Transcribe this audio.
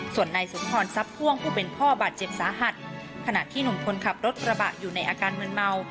ส่วนนายสุนทรทรัพย์พ่วงผู้เป็นพ่อบาดเจ็บสาหัสขณะที่หนุ่มคนขับรถกระบะอยู่ในอาการมืนเมา